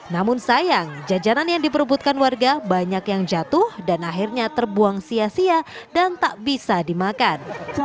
namun sayang jajanan yang diperubutkan warga banyak yang jatuh dan akhirnya terbuang sia sia dan tak bisa dimakan